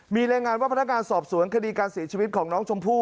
มีรายงานว่าพนักงานสอบสวนคดีการเสียชีวิตของน้องชมพู่